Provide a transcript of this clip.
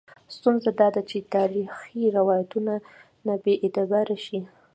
ستونزه دا ده چې تاریخي روایتونه بې اعتباره شي.